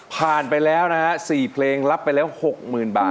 ผ่านไปแล้วนะสี่เพลงรับไปแล้วหกหมื่นบาท